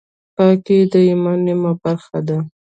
پاکي د ایمان نیمه برخه ده.